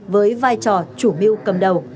với vai trò chủ mưu cầm đầu